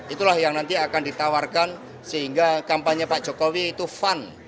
itulah yang nanti akan ditawarkan sehingga kampanye pak jokowi itu fun